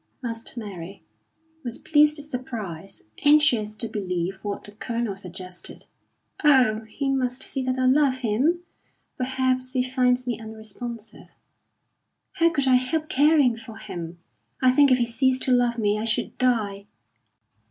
asked Mary, with pleased surprise, anxious to believe what the Colonel suggested. "Oh, he must see that I love him! Perhaps he finds me unresponsive.... How could I help caring for him? I think if he ceased to love me, I should die."